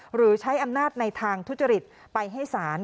หรือใช้อำนาจในทางทุจริตไปให้ศาล